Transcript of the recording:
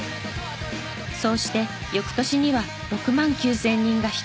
そうして翌年には６万９０００人がひとつに。